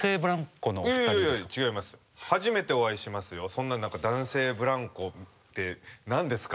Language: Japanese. そんな何か男性ブランコって何ですか？